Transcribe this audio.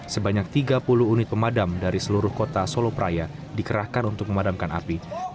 sebanyak tiga puluh unit pemadam dari seluruh kota solopraya dikerahkan untuk memadamkan api